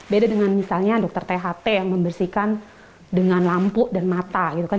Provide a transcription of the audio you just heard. beda dengan misalnya dokter tht yang membersihkan dengan lampu dan mata gitu kan